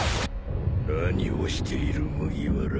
何をしている麦わら